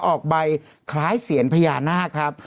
ออกใบคล้ายเสียนพญานาคครับ